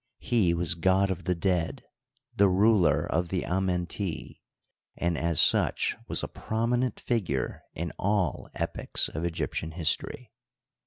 He was god of the dead, the ruler of the Amenti, and as such was a promi nent figure in all epochs of Egyptian history.